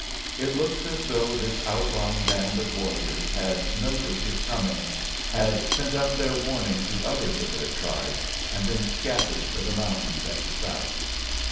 It looks as though this outlying band of warriors had noted his coming, had sent up their warning to others of their tribe, and then scattered for the mountains at the south.